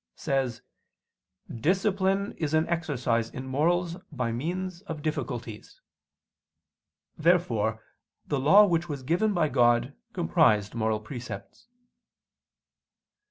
says: "Discipline is an exercise in morals by means of difficulties." Therefore the Law which was given by God comprised moral precepts.